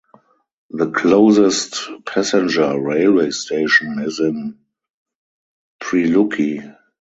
The closest passenger railway station is in Pryluky.